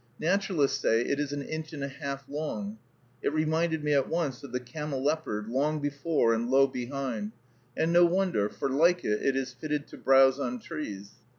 Naturalists say it is an inch and a half long. It reminded me at once of the camelopard, high before and low behind, and no wonder, for, like it, it is fitted to browse on trees.